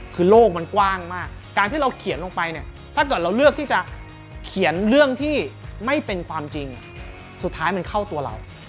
คือโลกมันกว้างมากการที่เราเขียนลงไปเนี่ยถ้าเกิดเราเลือกที่จะเขียนเรื่องที่ไม่เป็นความจริงสุดท้ายมันเข้าตัวเรา